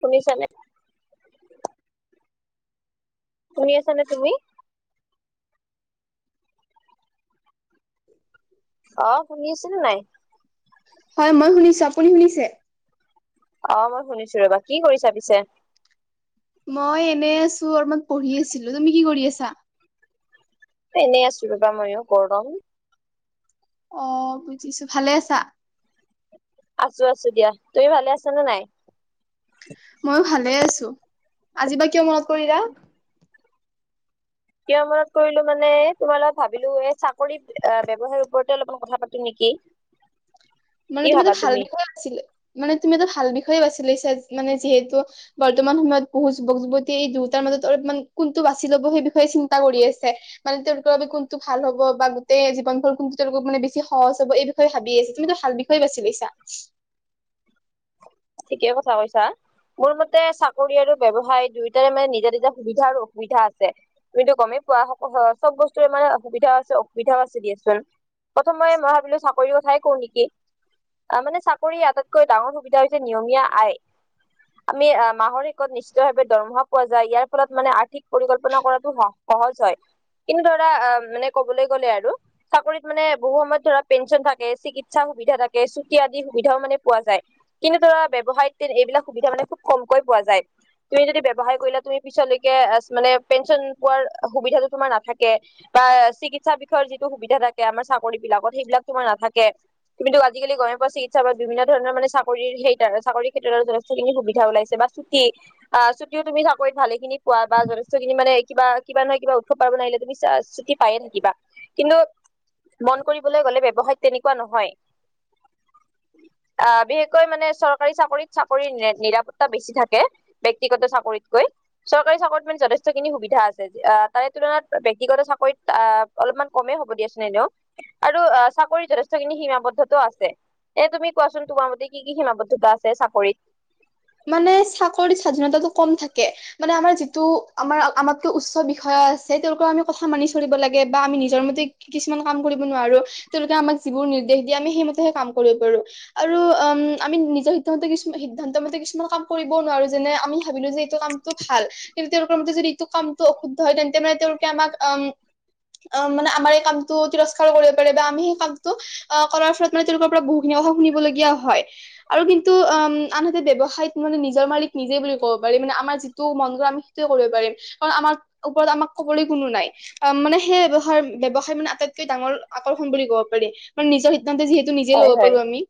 শুনিছানে? শুনি আছা নে তুমি? অ, শুনি আছা নাই? হয় মই শুনিছো। আপুনি শুনিছে? অ, মই শুনিছো ৰ'বা। কি কৰিছা পিছে? মই এনেই আছো অলপমান পঢ়ি আছিলো। তুমি কি কৰি আছা? মই এনেই আছো ৰ'বা মইয়ো গৰম। অ, বুজিছো। ভালে আছা? আছো আছো দিয়া। তুমি ভালে আছা নে নাই? মইয়ো ভালে আছো। আজি বা কিয় মনত কৰিলা? কিয় মনত কৰিলো মানে তোমাৰ লগত ভাবিলো এই চাকৰি ব্যৱসায়ৰ ওপৰতে অলপমান কথা পাতো নিকি? [inaudible] মানে তুমি এটা ভাল বিষয়ে বাছিলে। মানে তুমি এটা ভাল বিষয়ে বাছি লৈছা মানে যিহেতু বৰ্তমান সময়ত বহু যুৱক যুৱতীয়ে এই দুয়োটাৰ মাজত অলপ কোনটো বাচি লব সেই বিষয়ে চিন্তা কৰি আছে। মানে তেওঁলোকৰ বাবে কোনটো ভাল হব গোটেই জীৱনভৰ কোনটো তেওঁলোক মানে বেছি সহজ হ'ব এই বিষয়ে ভাবি আছে তুমি ত ভাল বিষয়ে বাছি লৈছা ঠিকেই কথা কৈছা। মোৰ মতে চাকৰি আৰু ব্যৱসায় দুয়োটাৰে মানে নিজা নিজা সুবিধা আৰু অসুবিধা আছে। তুমি ত গমেই পোৱা সক চব বস্তুৰে মানে সুবিধাও আছে অসুবিধাও আছে দিয়াচোন। প্ৰথমে মই, মই ভাবিলো চাকৰি কথাই কওঁ নেকি আহ মানে চাকৰি আটাইতকৈ ডাঙৰ সুবিধা হৈছে নিয়মীয়া আয়। আমি মাহৰ শেষত নিশ্চিত ভাৱে দৰমহা পোৱা যায়। ইয়াৰ ফলত মানে আৰ্থিক পৰিকল্পনা কৰাতো সা সহজ হয়। কিন্তু ধৰা আ, মানে কবলৈ গ'লে আৰু চাকৰিত মানে বহু সময়ত ধৰা পেঞ্চন থাকে, চিকিৎসা সুবিধা থাকে, চুটি আদি সুবিধাও মানে পোৱা যায়। কিন্তু ধৰা ব্যৱসায়ত এইবিলাক সুবিধা মানে খুব কমকৈ পোৱা যায়। তুমি যদি ব্যৱসায় কৰিলা। তুমি পিছলৈকে মানে পেঞ্চন পোৱাৰ সুবিধাটো তোমাৰ নাথাকে। বা চিকিৎসা বিষয়ৰ যিটো সুবিধা থাকে, আমাৰ চাকৰি বিলাকত সেইবিলাক তোমাৰ নাথাকে। তুমি টো আজিকালি গমেই পোৱা চিকিৎসা বা বিভিন্ন ধণৰ মানে চা চাকৰিৰ সেই চাকৰি ক্ষেত্ৰতো যথেষ্টখিনি সুবিধা ওলাইছে বা ছুটি আহ ছুটিও তুমি চাকৰিত ভালে খিনি পোৱা বা যথেষ্টখিনি মানে কিবা কিবা নহয় কিবা উৎসৱ পাৰ্বন আহিলে তুমি চা ছুটি পায়ে থাকিবা কিন্তু মন কৰিবলৈ গ'লে ব্যৱসায়ত তেনেকুৱা নহয়। আহ', বি বিশেষকৈ মানে চৰকাৰী চাকৰিত চাকৰিৰ নিৰাপত্তা বেছি থাকে। ব্যক্তিগত চাকৰিতকৈ চৰকাৰী চাকৰিত মানে যথেষ্ট খিনি সুবিধা আছে। তাৰে তুলনাত ব্যক্তিগত চাকৰিত আহ অলপমান কমেই হ'ব দিয়াচোন এনেও আৰু চাকৰিত যথেষ্টখিনি সীমাবদ্ধতো আছে এ তুমি কোৱাচোন তোমাৰ মতে কি কি সিমাবদ্ধতা আছে চাকৰিত? মানে চাকৰি স্বাধীনতাটো কম থাকে। মানে আমাৰ যিটো আমাৰ আমাতকৈ উচ্চ বিষয়া আছে। তেওঁলোকৰ আমি কথা মানি চলিব লাগে বা আমি নিজৰ মতে কিছুমান কাম কৰিব নোৱাৰো। তেওঁলোকে আমাক যিবোৰ নিৰ্দেশ দিয়ে। আমি সেইমতেহে কাম কৰিব পাৰো আৰু উম আমি নিজে সিদ্ধান্ত কিছু সিদ্ধান্ত মতে কিছুমান কাম কৰিবও নোৱাৰো যেনে আমি ভাবিলো যে এইটো কামটো ভাল কিন্তু তেওঁলোকৰ মতে যে এইটো কামটো অশুদ্ধ হয়। তেন্তে মানে তেওঁলোকে আমাক আম আহ মানে আমাৰ এই কামটো তিৰস্কাৰ কৰিব পাৰে, বা আমি সেই কামটো অ কৰাৰ ফলত মানে তেওঁলোকৰ পৰা বহুখিনি কথা শুনিবলগীয়া হয় আৰু কিন্তু আ আনহাতে ব্যৱসায়ত মানে নিজৰ মালিক নিজে বুলি ক'ব পাৰি মানে আমাৰ যিটো মন যায় আমি সেইটোৱে কৰিব পাৰিম। কাৰণ আমাক, ওপৰত আমাক কবলৈ কোনো নাই। আহ মানে সেই ব্যৱসায় ব্যৱসায় মানে আটাইতকৈ ডাঙৰ আকৰ্ষণ বুলি কব পাৰি মানে নিজৰ সিদ্ধান্তে যিহেত তু নিজে হয় ল'ব হয়। পাৰো আমি।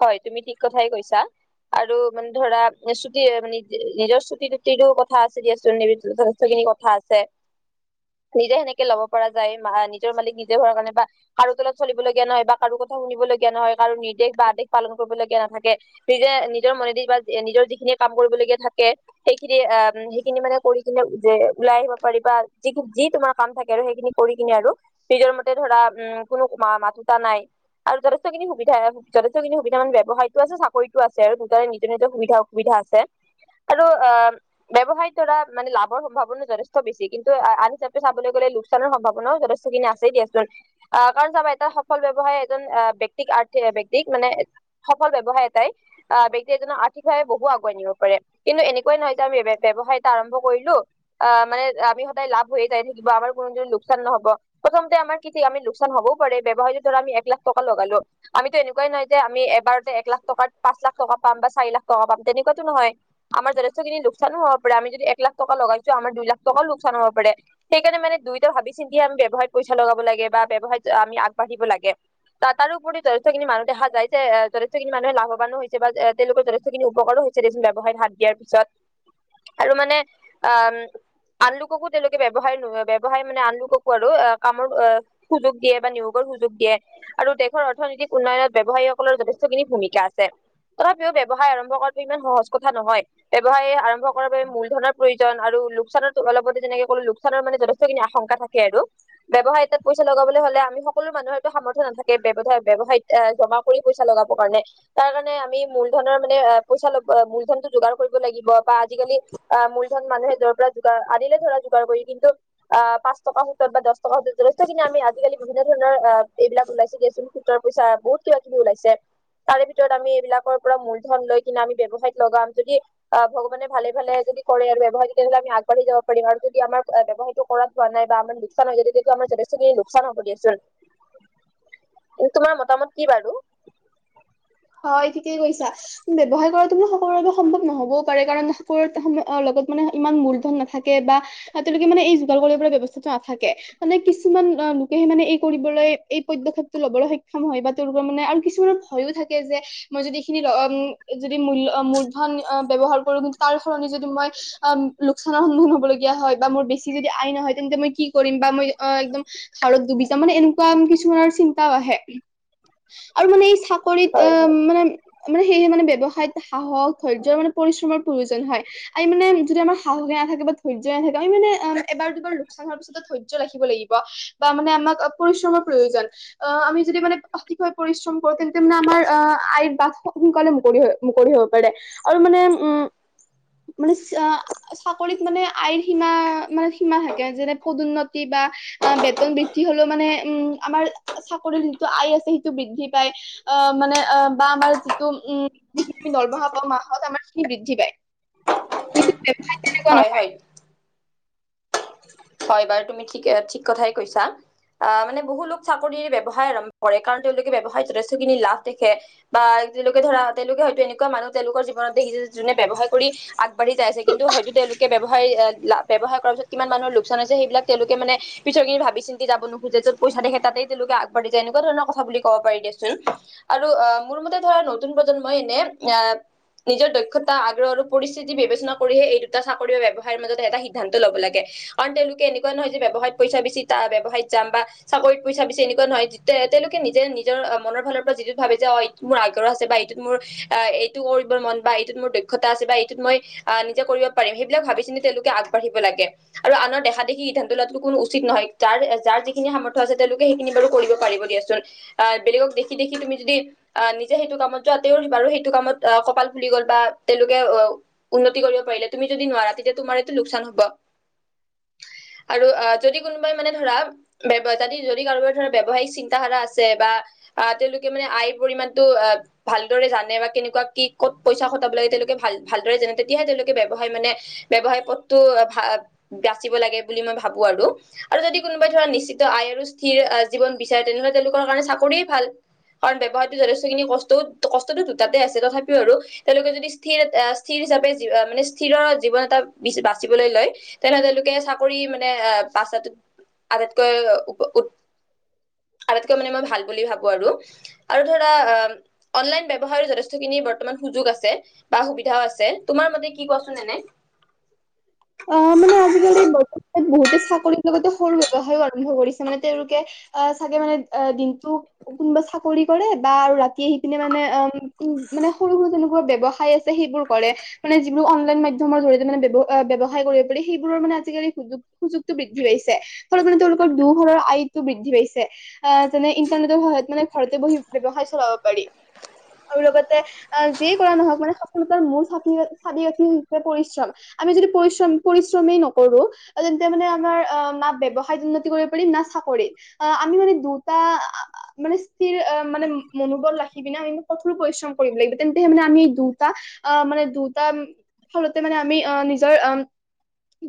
হয়, তুমি ঠিক কথাই কৈছা। আৰু মানে ধৰা [unintelligible] নিজৰ ছুটি টুটিৰো কথা আছে দিয়াচোন [unintelligible] যথেষ্টখিনি কথা আছে, নিজে সেনেকে ল'ব পৰা যায় নিজৰ মালিক নিজে হোৱাৰ কাৰণে বা কাৰো তলত চলিব লগীয়া নহয় বা কাৰো কথা শুনিব লগীয়া নহয়, কাৰো নিৰ্দেশ বা আদেশ পালন কৰিবলগীয়া নাথাকে। নিজে নিজৰ মনেদি বা নিজৰ যিখিনি কাম কৰিব লগীয়া থাকে সেইখিনি আহ সেইখিনি মানে কৰি কিনে যে ওলাই আহিব পাৰিবা যিখিনি যি তোমাৰ কাম থাকে আৰু সেইখিনি কৰি কিনে আৰু নিজৰ মতে ধৰা উম কোনো মাথোতা নাই। আৰু যথেষ্টখিনি সুবিধা যথে ষ্ঠখিনি সুবিধা ব্যৱসায়টো আছে চাকৰিটো আছে আৰু দুটাৰে নিজৰ নিজৰ সুবিধা অসুবিধা আছে। আৰু এ। ব্যৱসায়ৰ দ্বাৰা মানে লাভৰ সম্ভাৱনা যথেষ্ট বেছি কিন্তু আন হিচাপে চাবলৈ গ'লে লষ্টৰ সম্ভাৱনাও যথেষ্টখিনি আছেই দিয়াচোন। আহ কাৰণ চাবা এটা সফল ব্যৱসায় এজন আহ ব্যক্তিক আৰ্থিক ব্যক্তিক মানে সফল ব্যৱসায় এটাই আহ ব্যক্তি এজক আৰ্থিকভাৱে বহু আগুৱাই নিব পাৰে। কিন্তু এনেকুৱাই নহয় এটা আমি ব্যৱসায় এটা আৰম্ভ কৰিলো অ' মানে আমি সদায় লাভ হৈয়ে যায়, আমাৰ কোনোদিন লোকচান নহব প্ৰথমতে আমাৰ কি থিক আমাৰ লোকচান‌ও হ'ব পাৰে ব্যৱসায়টো আমি এক লাখ টকা লগালো আমিতো এনেকু কুৱাই নহয় যে আমি এবাৰতে এক লাখ টকা, পাঁচ লাখ টকা পাম বা চাৰি লাখ টকা পাম, তেনেকুৱাতো নহয়। আমাৰ যথেষ্টখিনি লোকচানো হ'ব পাৰে আম যদি লাখ টকা লগাইছো আমাৰ দুই লাখ টকাও লোকচান হব পাৰে। সেইকাৰণে মানে দুয়োটা ভাবি চিন্তি আমি ব্যৱসায়ত পইচা লগাব লাগে বা ব্যৱসায়ত আমি আগবাঢ়িব লাগে। তাৰোপৰি যথেষ্ঠখিনি মানুহ দেখা যায় যে যথেষ্টখিনি মানুহে লাভৱানো হৈছে বা তেওঁলোকৰ যথেষ্টখিনি উপকাৰো হৈছে যিটো ব্যৱসায়ত হাত দিয়াৰ পিছত। আৰু মানে আ আনলোককো তেওঁলোকে ব্যয়ৱসায় ন ব্যৱসায় মানে আনলোককো আৰু কামত অ সুযোগ দিয়ে বা নিয়োগৰ সুযোগ দিয়ে আৰু দেশৰ অৰ্থনৈতিক উন্নয়নত ব্যয়ৱসায়ীসকলৰ যথেষ্টখিনি ভূমিকা আছে, তথাপিও ব্যয়ৱসায় আৰম্ভ কৰাটো ইমান সহজ কথা নহয়। ব্যয়ৱসায় আৰম্ভ কৰাৰ বাবে মূলধনৰ প্ৰয়োজন আৰু লোকচানতো অলপতে যেনেকে ক'লো, স্থানৰ মানে যথেষ্টখিনি আশংকা থাকে আৰু ব্যৱসায় এটাত পইচা লগাবলৈ হ'লে আমি সকলো মানুহে সামৰ্থ্য নথাকে, ব্যয়ৱায় ব্যৱসায়ত এ জমা কৰি পইচা লগাবৰ কাৰণে তাৰ কাৰণে আমি মূলধনৰ মানে পইচা লব মূলধনটো যোগাৰ কৰিব লাগিব বা আজিকালি আহ মূলধন মানুহে যৰ পৰা যোগাৰ আনিলে ধৰা যোগাৰ কৰি, কিন্তু অ পাঁচ টকা সুতত বা দহ টকা সুতত যথেষ্টখিনি আমি আজিকালি বিভিন্ন ধৰণৰ এইবিলাক ওলাইছে দিয়াচোন। সুতৰ পইচা বহুত কিবা কিবি ওলাইছে। তাৰে ভিতৰত আমি এইবিলাকৰ পৰা মূলধন লৈ কিনে আমি ব্যৱসায়ত লগাম, যদি আহ ভগৱানে ভালে ভালে যদি কৰে আৰু ব্যৱসায়টোত তেনেহ'লে আমি আগবাঢ়ি যাব পাৰিম আৰু যদি আমাৰ ব্যৱসায়টো কৰাত হোৱা নাই বা লোকচান হয় যদি আমাৰ লোকচান হব দিয়াচোন তোমাৰ মতামত কি বাৰু? হয় ঠিকেই কৈছা। ব্যৱসায় কৰাটো সকলোৰে বাবে সম্ভৱ নহ'বও পাৰে, কাৰণ সকল সময়ত লগত মানে ইমান মূলধন নাথাকে বা তেওঁলোকে মানে এই যোগাৰ কৰিব ব্যৱস্থাটো নাথাকে মানে কিছুমান লোকেহে মানে এই কৰিবলৈ এই পদক্ষেপটো লবলৈ সক্ষম হয় বা তেওঁলোকৰ মানে আৰু কিছুমানৰ ভয়ো থাকে যে। মই যদি এইখিনি যদি মূল্য মূ ব্যৱহাৰ কৰো কিন্তু তাৰ সলনি যদি মই অ লোকচানৰ সন্মুীন হবলগীয়া হয় বা মোৰ। যদি আয় নহয় তেন্তে মই কি কৰিম বা মই অ একদম খালত ডুবি যাম মানে এনেকুৱা। কিছুমানৰ চিন্তাও আহে আৰু মানে এই চাকৰিত হয় হয়। মানে মানে সেয়েহে মানে ব্যৱসায়ত সাহস ধৈৰ্য্যৰ মানে পৰিশ্ৰমৰ প্ৰয়োজন হয়। আৰু মানে যদি আমাৰ সাহসকে নাথাক বা ধৈৰ্য্য নাথাকে আমি মানে এবাৰ দুবাৰ লোকচান হোৱাৰ পিছতে ধৈয্য ৰাখিব লাগিব। বা মানে আমাক পৰিশ্ৰমৰ প্ৰয়োজন। আহ আমি যদি মানে আৰ্থিকভাৱে পৰিশ্ৰম কৰো তেন্তে মানে আহ আয়ৰ বাট সোনকালে মুকলি হয়। মুকলি হব পাৰে। আৰু মানে উমঁ- মানে চাকৰিত মানে আয়ৰ সীমা- মানে সীমা থাকে যেনে পদোন্নতি বা বেতন বৃদ্ধি হ'লেও মানে উমঁ- আমাৰ চাকৰিৰ যিটো আয় আছে সেইটো বৃদ্ধি পায়। আঁ', মানে আ', বা আমাৰ যিটো উমঁ- আমি যিখিনি ব্যবহাৰ কৰোঁ মাহত আমাৰ খিনি বৃদ্ধি পায়, কিন্তু ব্যৱসায় তেনেকুৱা হয় নহয়। হয় হয় বাৰু, তুমি ঠিক-ঠিক কথাই কৈছা। আঁহ', -মানে বহুলোক চাকৰি ব্যৱসায় আৰম্ভ কৰে কাৰণ তেওঁলোকে ব্যয়ৱসায়ত যথেষ্টখিনি লাভ দেখে। বা তেওঁলোকে ধৰা তেওঁলোকে হয়তো এনেকুৱা মানুহ তেওঁলোকৰ জীৱনত দেখিছে যে যোনে ব্যৱসায় কৰি আগবাঢ়ি যাই আছে, কিন্তু হয়তো তেওঁলোকে ব্যৱসায়-ব্যৱসায় কৰাৰ পিছত- কিমান মানুহৰ লোকচান হৈছে সেইবিলাক তেওঁলোকে মানে- পিছৰখিনি ভাবি চিন্তি যাব নোখোজে য'ত পইচা দেখে তা'তেই তেওঁলোক আগবাঢি যায়, এনেকুৱা ধৰণৰ কথা বুলি কব পাৰি দেচোন। আৰু আঁহ', মোৰ মতে ধৰা নতুন প্ৰজন্মই এনেই আঁহ', - নিজৰ দক্ষতা আগ্ৰহ আৰু পৰিস্থিতি বিবেচনা কৰিহে এই দুটা চাকৰিৰ ব্যৱসায়ৰ মাজত এটা সিদ্ধান্ত ল'ব লাগে। কাৰণ তেওঁলোকে এনেকুৱা নহয় যে ব্যৱসায়ত পইচা বেছিত ব্যৱসায়ত যাম বা চাকৰিত পইচা বেছি এনেকুৱা নহয় তেওঁলোকে নিজে নিজৰ মনৰ ফালৰ পৰা যিটো ভাবে যে অ', - মোৰ আগ্ৰহ আছে বা এইটোত মোৰ এইটো কৰিবৰ মন বা এইটোত মোৰ দক্ষতা আছে বা এইটোত মই- আঁহ' নিজে কৰিব পাৰিম সেইবিলাক ভাবি চিন্তি তেওঁলোকে আগবাঢ়িব লাগে। আৰু আনৰ দেখাদেখি সিদ্ধান্ত লোৱাতো আৰু আনৰ দেখাদেখি ধন তোলাত কোনো উচিত নহয়, তাৰ যাৰ যিখিনি সামৰ্থ আছে তেওঁলোকে সেইখিনি বাৰু কৰিব পাৰিব দিয়াচোন। আঁহ', বেলেগক দেখি-দেখি তুমি যদি- আঁহ' নিজে সেইটো কামত যোৱা তেওঁ বাৰু সেইটো কামত আঁহ' কপাল ফুলি গ'ল বা তেওঁলোকে অ'- উন্নতি কৰিব পাৰিলে তুমি যদি নোৱাৰা তেতিয়া তোমাৰ এইটো লোকচান হ'ব। আৰু আঁহ' যদি কোনোবাই মানে ধৰা- যদি-যদি কাৰোবাৰ ধৰৰ ব্যৱসায়িক চিন্তাধাৰা আছে বা- আঁহ' তেওঁলোকে মানে আয়ৰ পৰিমাণটো আঁহ'- ভালদৰে জানে বা কেনেকুৱা কি ক'ত পইচা খটাব লাগে তেওঁলোকে ভাল ভালদৰে জানে তেতিয়াহে তেওঁলোকে ব্যৱসায় মানে- ব্যৱসায় পথটো ভা- বাচিব লাগে বুলি মই ভাবো আৰু। আৰু যদি কোনোবাই ধৰা নিশ্চিত আয় আৰু স্থিৰ জীৱন বিচাৰে তেনেহ'লে তেওঁলোকৰ কাৰণে চাকৰিয়ে ভাল। কাৰণ ব্যৱসায়টো যথেষ্টখিনি কষ্ট-কষ্টটো দুটাতে আছে তথাপিও আৰু যদি স্থিৰ- স্থিৰ হিচাপে মানে স্থিৰৰ জীৱন এটা বাচিবলৈ লয়। তেনে তেওঁলোকে চাকৰি মানে আঁহ' পাচটোত আটাইতকৈ- আটাইতকৈ মানে মই ভাল বুলি ভাবো আৰু। আৰু ধৰা অ'- অনলাইন ব্যৱহাৰ যথেষ্টখিনি বৰ্তমান সুযোগ আছে বা সুবিধাও আছে। তোমাৰ মতে কি কোৱাচোন এনেই? আ', মানে আজিকালি বৰ্তমানত বহুতে চাকৰিৰ লগতে সৰু ও আৰম্ভ কৰিছে মানে তেওঁলোকে চাগে মানে দিনটো- কোনোবা চাকৰি কৰে বা আৰু ৰাতি আহি পিনে মানে অ' মানে সৰু-সৰু তেনেকুৱা ব্যৱসায় আছে- সেইবোৰ কৰে। মানে যিবোৰ অনলাইন মাধ্যমৰ জৰিয়তে মানে ব্যৱসায় কৰিব পাৰি সেইবোৰৰ মানে আজিকালি সুযোগ- সুযোগটো বৃদ্ধি পাইছে ফল মানে তেওঁলোকৰ দু ঘৰৰ আয়টো বৃদ্ধি পাইছে। আঁহ' যেনে ইণ্টাৰনেটৰ সহায়ত মানে ঘৰতে বহি ব্যয়ৱসায় চলাব পাৰি। আৰু লগতে অ', যিয়ে কৰা নহওকঁ মানে সফলতাৰ মূল চাবি কাঠি হৈছে পৰিশ্ৰম। - আমি যদি পৰিশ্ৰম-পৰিশ্ৰমেই নকৰো- তেন্তে মানে আমাৰ অ' না ব্যৱসায়ত উন্নতি কৰিব পাৰিম না চাকৰিত। আমি যদি মানে দুটা- মানে স্থিৰ মানে মনোবল ৰাখি পিনে আমি কঠোৰো পৰিশ্ৰম কৰিব লাগিব তেন্তেহে মানে আমি দুটা অ', মানে দুটা ফলতে মানে আমি অ', নিজৰ অ'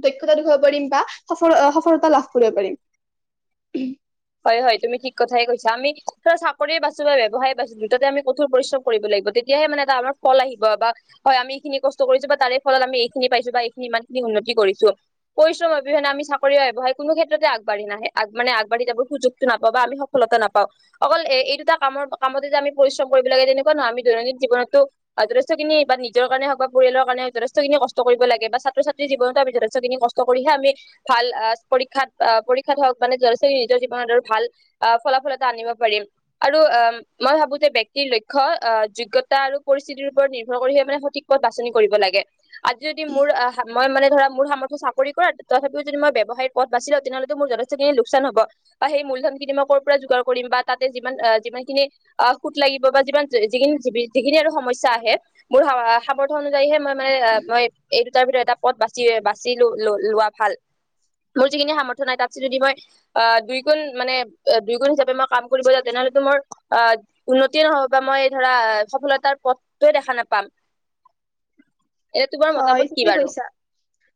দক্ষতা দেখুৱাব পাৰিম বা সফল সফলতা লাভ কৰিব পাৰিম।। হয়, হয়, তুমি থিক কথাই কৈছা আমি চাকৰিয়ে বাছো বা ব্যৱসায়ে বাছো দুটাতে আমি কঠোৰ পৰিশ্ৰম কৰিব লাগিব তে তেতিয়াহে মানে তাৰ পৰা ফল আহিব বা হয়, আমি এইখিনি কষ্ট কৰিছো বা তাৰে ফলত আমি এইখিনি পাইছো বা এইখিনি ইমান খিনি উন্নতি কৰিছোঁ। পৰিশ্ৰম অবিহনে আমি চাকৰি বা ব্যৱসায় কোনো ক্ষেত্ৰতে আগবাঢ়ি নাহে মানে আগাঢ়ি যাব সুযোগটো নাপাও বা আমি সফলতা নাপাওঁ। অকল এ এই দুটা কামৰ কামত যে আমি পৰিশ্ৰম কৰিব লাগে তেনেকুৱা নহয়, আমি দৈনন্দিন জীৱনতো যথেষ্টখিনি বা নিজৰ কাৰণে হওক বা পৰিয়ালৰ কাৰণে যথেষ্টখিনি কষ্ট কৰিব লাগে বা ছাত্ৰ-ছাত্ৰ জীৱনটো আমি যথেষ্টখিনি কষ্ট কৰিহে আমি ভাল পৰীক্ষাত পৰীক্ষাত হওক মানে [unintelligible] নিজৰ জীৱনত আৰু ভাল ফলাফলতা আনিব পাৰিম আৰু অ' মই ভাবো যে ব্যক্তিৰ লক্ষ্য আহ যোগ্যতা আৰু পৰিস্থিতিৰ ওপৰত নিৰ্ভৰ কৰিহে মানে সঠিক পথ বাছনি কৰিব লাগে। আজি যদি মোৰ মই মানে ধৰা মোৰ সামৰ্থ চাকৰি কৰাত, তথাপিও যদি মই ব্যৱসায় পথ বাচি লওঁ, তেনেহ'লেটো মোৰ যথেষ্টখিনি লোকচান হ'ব। বা সেই মূলধন খিনি মই ক'ৰ পৰা যোগাৰ কৰিম বা তাতে যিমান যিমান খিনি অ', সুত লাগিব বা যিমান যিখিনি যিখিনি আৰু সমস্যা আহে, মোৰ সামৰ্থ অনুযায়ীহে মই মানে মই এই দুটাৰ ভিতৰত এটা পথ বাচি বাচি লো-ল লোৱা ভাল। মোৰ যিখিনি সামৰ্থ্য নাই তাতচে যদি মই অ', দুই গুণ মানে দুই গুণ হিচাপে মই কাম কৰিব যাওঁ তেনেহ'লেতো মোৰ অ' উন্নতিয়ে নহ'ব বা মই ধৰা সফলতাৰ পথটোৱে দেখা নাপাম। এতিয়া তোমাৰ হয় মতামত কি ঠিকে বাৰু? কৈছা।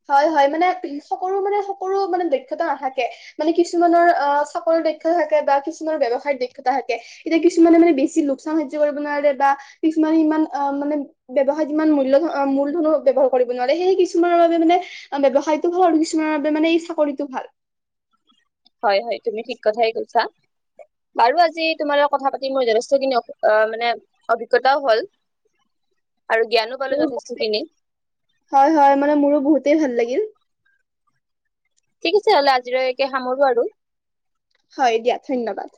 হয়, হয়, মানে সকলো মানে সকলো মানে দক্ষতা নাথাকে। মানে কিছুমানৰ অ', চাকৰিৰ দক্ষতা থাকে বা কিছুমানৰ ব্যয়ৱসায়ত দক্ষতা থাকে। এতিয়া কিছুমানে মানে বেছি লোকচান সহ্য কৰিব নোৱাৰে বা কিছুমানে ইমান অ', মানে ব্যৱসায় ইমান মূল্য মূলধনৰ ব্যৱসায় কৰিব নোৱাৰে সেয়ে কিছুমানৰ বাবে ব্যৱসায়টো ভাল আৰু কিছুমানৰ বাবে মানে এই চাকৰিতটো ভাল। হয়, হয়, তুমি ঠিক কথাই কৈছা। বাৰু আজি তোমাৰ লগত কথা পাতি মোৰ যথেষ্টখিনি অ', মানে অভিজ্ঞতাও হ'ল। আৰু জ্ঞানো পালো মোৰো- যথেষ্ট খিনি। হয়, হয়, মানে মোৰো বহুতেই ভাল লাগিল। ঠিক আছে হ'লে আজিলৈকে সামৰো আৰু। হয়, দিয়া ধন্যবাদ।